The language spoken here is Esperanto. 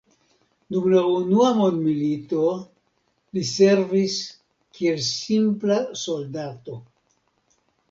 Dum la unua mondmilito li servis kiel simpla soldato.